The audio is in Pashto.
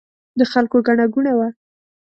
د خلکو ګڼه ګوڼه وه.